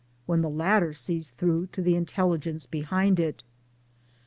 when the latter sees through to the intelligence behind it.